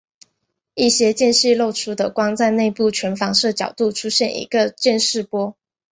一些间隙漏出的光在内部全反射角度出现一个渐逝波。